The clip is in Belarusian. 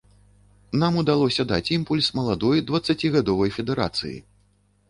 Нам удалося даць імпульс маладой дваццацігадовай федэрацыі.